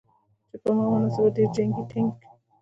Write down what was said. چې په هم دغه مناسبت دغه جنګي ټېنک